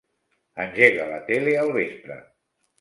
Engega la tele al vespre.